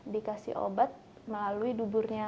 dikasih obat melalui duburnya